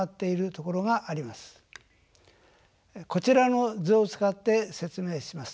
こちらの図を使って説明します。